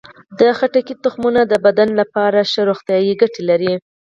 د خټکي تخمونه د بدن لپاره ښه روغتیايي ګټې لري.